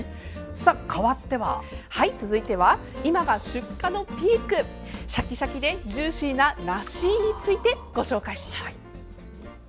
続いては今が出荷のピークシャキシャキでジューシーな梨についてご紹介します。